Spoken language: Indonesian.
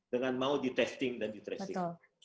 dengan mau di testing dan di tracing